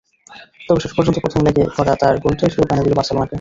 তবে শেষ পর্যন্ত প্রথম লেগে করা তাঁর গোলটাই শিরোপা এনে দিল বার্সেলোনাকে।